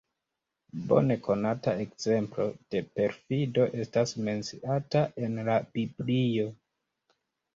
Bone konata ekzemplo de perfido estas menciata en la biblio.